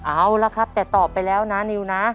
เอาละครับแต่ตอบไปแล้วนะนิวนะ